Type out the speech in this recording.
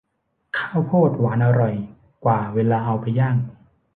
ข้าวโพดหวานอร่อยกว่าเวลาเอาไปย่าง